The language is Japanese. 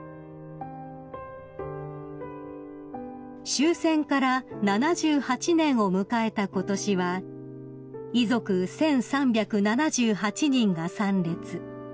［終戦から７８年を迎えたことしは遺族１，３７８人が参列］